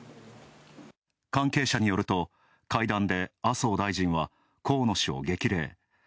関係者によると、会談で麻生大臣は河野氏を激励。